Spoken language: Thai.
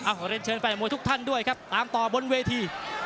ขอเรียนเชิญแฟนมวยทุกท่านด้วยครับตามต่อบนเวที